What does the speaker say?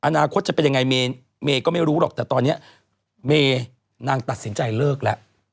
อนาคตจะเป็นยังไงเมย์ก็ไม่รู้หรอกแต่ตอนนี้เมย์นางตัดสินใจเลิกแล้ว